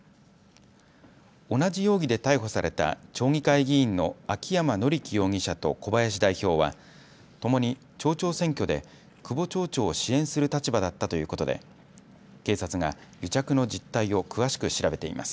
同じ容疑で逮捕された町議会議員の秋山詔樹容疑者と小林代表はともに町長選挙で久保町長を支援する立場だったということで警察が癒着の実態を詳しく調べています。